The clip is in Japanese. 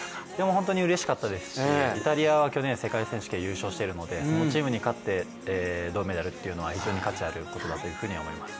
本当にうれしかったですしイタリアは去年、世界選手権優勝しているのでそのチームに勝って銅メダルというのは本当に価値ある勝利だったなと思います。